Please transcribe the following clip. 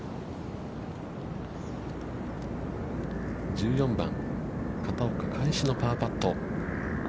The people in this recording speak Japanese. １４番、片岡、返しのパーパット。